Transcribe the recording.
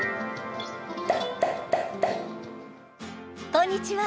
こんにちは。